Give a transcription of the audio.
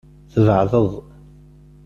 Tbeɛdeḍ.